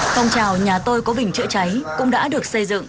phong trào nhà tôi có bình chữa cháy cũng đã được xây dựng